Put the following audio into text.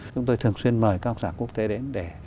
chúng tôi thường xuyên mời các học giả quốc tế đến để